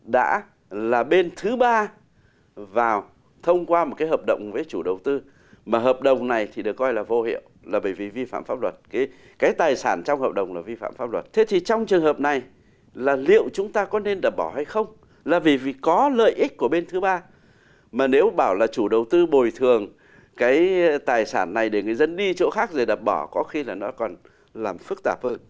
đã là bên thứ ba vào thông qua một cái hợp đồng với chủ đầu tư mà hợp đồng này thì được coi là vô hiệu là bởi vì vi phạm pháp luật cái cái tài sản trong hợp đồng là vi phạm pháp luật thế thì trong trường hợp này là liệu chúng ta có nên đập bỏ hay không là vì có lợi ích của bên thứ ba mà nếu bảo là chủ đầu tư bồi thường cái tài sản này để người dân đi chỗ khác rồi đập bỏ có khi là nó còn làm phức tạp hơn